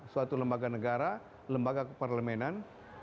suatu lembaga negara lembaga keparlemenan